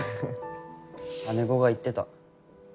姉御が言ってた。